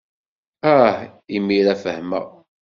Ah, imir-a fehmeɣ.